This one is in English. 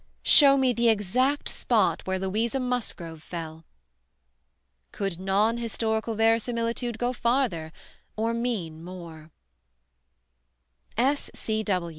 Show me the exact spot where Louisa Musgrove fell!" Could non historical verisimilitude go farther or mean more?